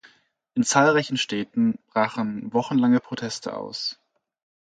In zahlreichen Städten brachen wochenlange Proteste aus.